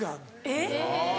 えっ？